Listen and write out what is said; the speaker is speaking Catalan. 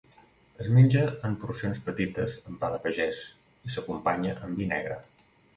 Es menja en porcions petites amb pa de pagès, i s'acompanya amb vi negre.